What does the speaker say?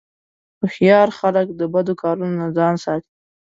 هوښیار خلک د بدو کارونو نه ځان ساتي.